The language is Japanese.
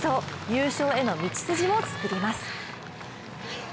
優勝への道筋を作ります。